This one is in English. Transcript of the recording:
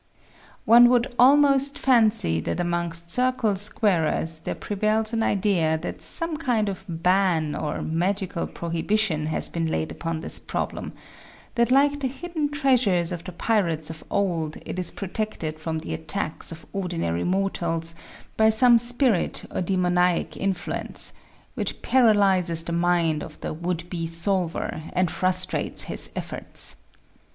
One would almost fancy that amongst circle squarers there prevails an idea that some kind of ban or magical prohibition has been laid upon this problem ; that like the SQUARING THE CIRCLE 2/ hidden treasures of the pirates of old it is protected from the attacks of ordinary mortals by some spirit or demoniac influence, which paralyses the mind of the would be solver and frustrates his efforts.